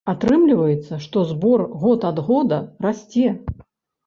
Атрымліваецца, што збор год ад года расце.